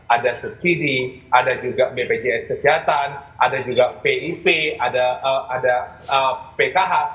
ada subsidi ada juga bpjs kesehatan ada juga pip ada pkh